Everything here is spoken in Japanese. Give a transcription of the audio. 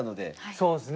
そうですね。